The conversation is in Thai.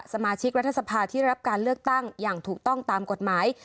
สมาชิกรัฐสภาที่รับการเลือกตั้งอย่างถูกต้องตามกฎหมาย